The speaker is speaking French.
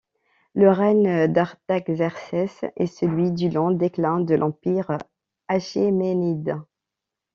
Le règne d’Artaxerxès est celui du lent déclin de l'empire achéménide.